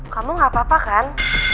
kamu gak apa apa kan